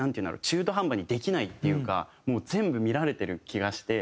中途半端にできないっていうかもう全部見られてる気がして。